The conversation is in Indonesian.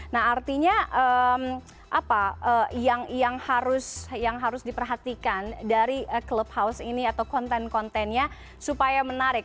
nah artinya apa yang harus diperhatikan dari clubhouse ini atau konten kontennya supaya menarik